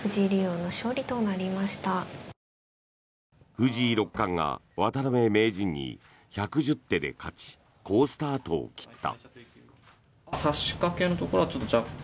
藤井六冠が渡辺名人に１１０手で勝ち好スタートを切った。